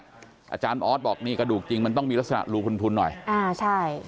อาจารย์ออสบอกนี่กระดูกจริงมันต้องมีลักษณะรูคุณทุนหน่อยอ่าใช่